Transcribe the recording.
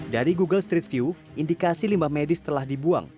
dari google street view indikasi limbah medis telah dibuang